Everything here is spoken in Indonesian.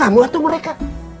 kamu atau mereka